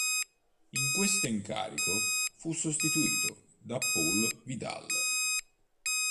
In questo incarico fu sostituito da Paul Vidal.